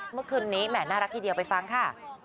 เมื่อคืนนี้แหม่น่ารักทีเดียวไปฟังค่ะ